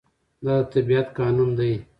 دا د طبيعت قانون دی.